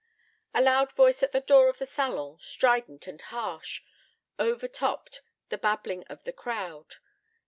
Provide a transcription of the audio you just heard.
A loud voice at the door of the salon, strident and harsh, overtopped the babbling of the crowd.